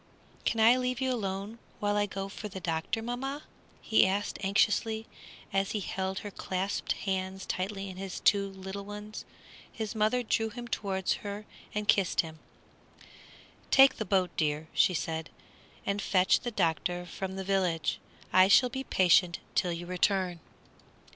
"Can I leave you alone while I go for the doctor, mamma?" he asked, anxiously, as he held her clasped hands tightly in his two little ones. His mother drew him towards her and kissed him. "Take the boat, dear," she said, "and fetch the doctor from the village. I shall be patient till you return."